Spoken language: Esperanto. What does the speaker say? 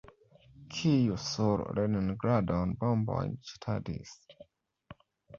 Kiu sur Leningradon bombojn ĵetadis?